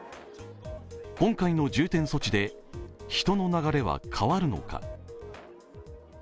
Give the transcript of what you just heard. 今回の重点措置で人の流れは変わるのか。